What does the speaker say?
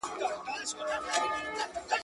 پر ما لمبې د بېلتانه د ده په خوله تېرېږي.